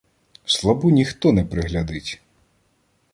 Слабу ніхто не приглядить!